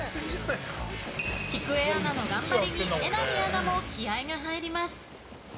きくえアナの頑張りに榎並アナも気合が入ります。